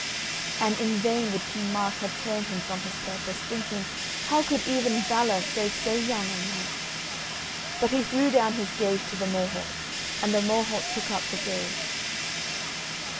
And in vain would King Mark have turned him from his purpose, thinking, how could even valour save so young a knight? But he threw down his gage to the Morholt, and the Morholt took up the gage.